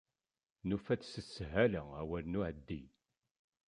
Nufa-d s sshala awal n uεeddi.